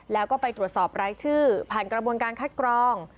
แล้วก็ไปตรวจสอบรายชื่อผ่านกระบวนการคัดกรอง